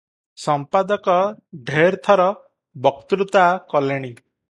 ସମ୍ପାଦକ ଢେର ଥର ବକ୍ତୃତା କଲେଣି ।